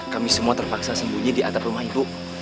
kami semua terpaksa sembunyi di atap rumah ibu